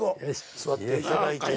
座っていただいて。